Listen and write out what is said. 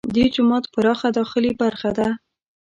دې جومات پراخه داخلي برخه ده.